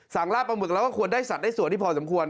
สั่งลาบปลาหมึกเราก็ควรได้สัตว์ได้สวยที่พอสมควร